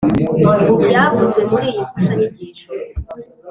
byavuzwe muri iyi mfashanyigisho.